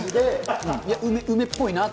梅っぽいなと。